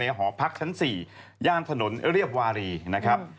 ไปในหอพรรคชั้น๔ย่างถนนเรียบวารีนะครับ